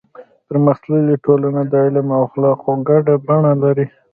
پرمختللې ټولنه د علم او اخلاقو ګډه بڼه لري.